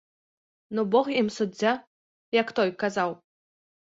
Ну бог ім суддзя, як той казаў.